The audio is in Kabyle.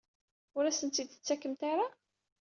Ur asen-tent-id-tettakemt ara?